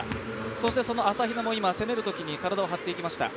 そしてその朝比奈も攻めるときに体を張っていきました。